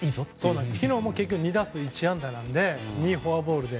結局昨日も２打数１安打なので２フォアボールで。